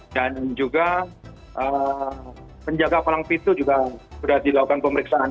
dan juga penjaga palang pintu juga sudah dilakukan pemeriksaan